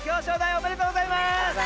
おめでとうございます！